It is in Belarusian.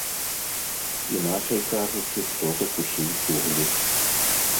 Іначай кажучы, хто закусіў цуглі.